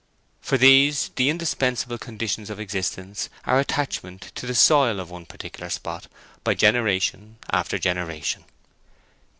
For these the indispensable conditions of existence are attachment to the soil of one particular spot by generation after generation.